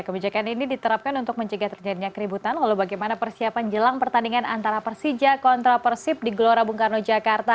kebijakan ini diterapkan untuk mencegah terjadinya keributan lalu bagaimana persiapan jelang pertandingan antara persija kontra persib di gelora bung karno jakarta